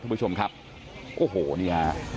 คุณผู้ชมครับโอ้โหนี่ฮะ